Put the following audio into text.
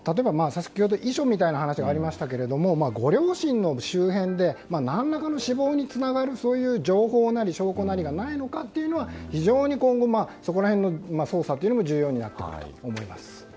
先ほど遺書みたいな話がありましたがご両親の周辺で何らかの死亡につながる情報なり証拠なりがないのかというのは非常に今後そこら辺の捜査も重要になってくると思います。